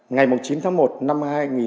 ngày chín tháng một năm hai nghìn hai mươi